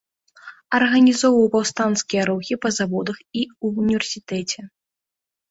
Арганізоўваў паўстанцкія рухі па заводах і ў універсітэце.